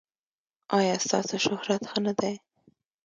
ایا ستاسو شهرت ښه نه دی؟